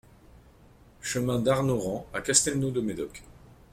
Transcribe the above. Chemin Darnauran à Castelnau-de-Médoc